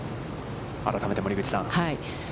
改めて森口さん。